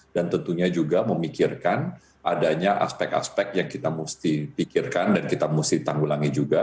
dan tentunya juga memikirkan adanya aspek aspek yang kita mesti pikirkan dan kita mesti tanggulangi juga